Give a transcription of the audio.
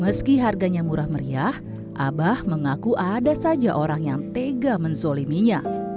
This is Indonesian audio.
meski harganya murah meriah abah mengaku ada saja orang yang tega menzoliminya